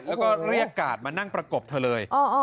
แล้วก็เรียกกาดมานั่งประกบเธอเลย